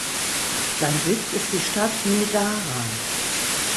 Sein Sitz ist die Stadt Negara.